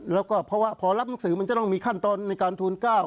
แล้วก็เพราะว่าพอรับหนังสือมันจะต้องมีขั้นตอนในการทูล๙